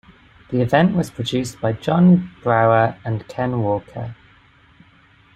The event was produced by John Brower and Ken Walker.